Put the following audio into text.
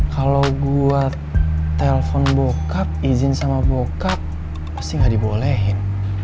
kalau gue telpon bokap izin sama bokap pasti gak dibolehin